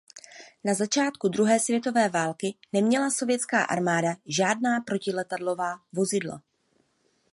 Na začátku druhé světové války neměla sovětská armáda žádná protiletadlová vozidla.